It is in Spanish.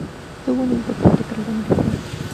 Tuvo una importante carrera militar.